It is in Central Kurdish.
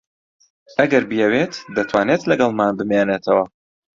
ئەگەر بیەوێت دەتوانێت لەگەڵمان بمێنێتەوە.